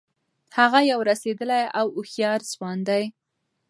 هغه یو رسېدلی او هوښیار ځوان دی.